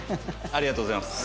ありがとうございます。